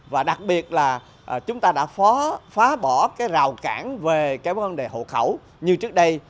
và đặc biệt là chúng ta đã phá bỏ cái rào cản về cái vấn đề hộ khẩu như trước đây